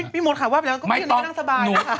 พี่โมนขายว่าไปแล้วก็ไม่ต้องนั่งสบายนะ